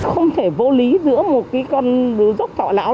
không thể vô lý giữa một cái con dốc thọ lão